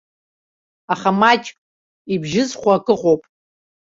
Аха маҷк ибжьызхуа акы ыҟоуп.